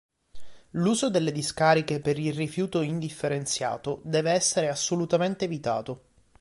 L'uso delle discariche per il rifiuto indifferenziato deve essere assolutamente evitato.